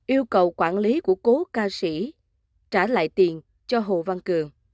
yêu cầu quản lý của cố ca sĩ trả lại tiền cho hồ văn cường